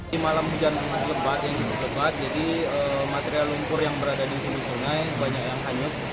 di malam hujan sangat lebat jadi material lumpur yang berada di sudut sungai banyak yang hanyut